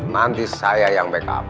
nanti saya yang backup